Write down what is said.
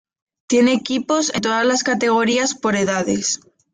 Tiene equipos en todas las Categorías por edades.